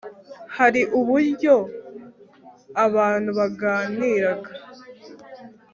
hari uburyo abantu baganiraga